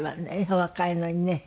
お若いのにね。